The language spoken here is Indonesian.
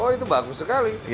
oh itu bagus sekali